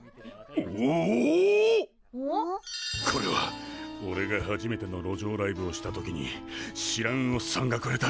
これはおれが初めての路上ライブをした時に知らんおっさんがくれた。